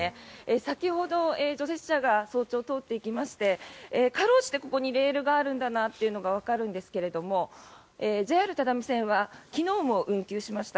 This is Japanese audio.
先ほど、除雪車が早朝に通っていきましてかろうじて、ここにレールがあるんだなというのがわかるんですがＪＲ只見線は昨日も運休しました。